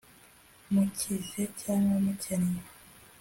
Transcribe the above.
mukize cyangwa mukennye